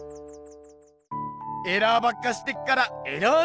エラーばっかしてっからエラーノサウルス！